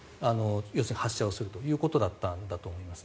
要するに発射するということだったんだと思います。